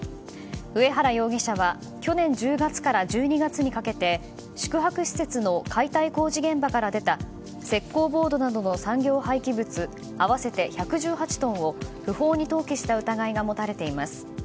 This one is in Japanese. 上原容疑者は去年１０月から１２月にかけて宿泊施設の解体工事現場から出た石膏ボードなどの産業廃棄物合わせて１１８トンを不法に投棄した疑いが持たれています。